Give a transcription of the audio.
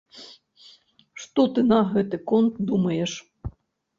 Што ты на гэты конт думаеш?